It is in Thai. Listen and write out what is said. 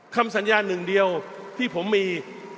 คำสัญญาหนึ่งเดียวที่ผมมี